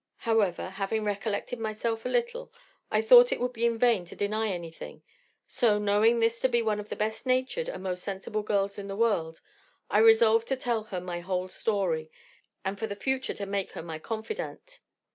However, having recollected myself a little, I thought it would be in vain to deny anything; so, knowing this to be one of the best natured and most sensible girls in the world, I resolved to tell her my whole story, and for the future to make her my confidante.